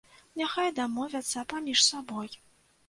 Няхай дамовяцца паміж сабой.